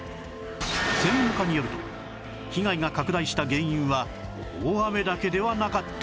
専門家によると被害が拡大した原因は大雨だけではなかったという